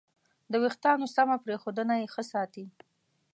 د وېښتیانو سمه پرېښودنه یې ښه ساتي.